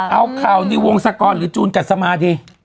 เอาข่าวในวงศกรหรือจูนกัดสมาดิ